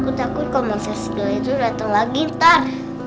aku takut kalau manusia segala itu dateng lagi ntar